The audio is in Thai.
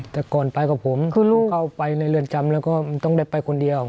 แต่ก่อนไปกับผมก็ไปในเรือนจำแล้วก็ต้องไปคนเดียว